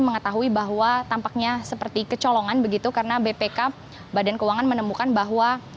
mengetahui bahwa tampaknya seperti kecolongan begitu karena bpk badan keuangan menemukan bahwa